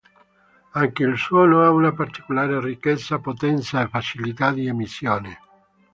Anche il suono ha una particolare ricchezza, potenza e facilità di emissione.